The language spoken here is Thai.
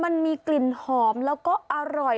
มันมีกลิ่นหอมแล้วก็อร่อย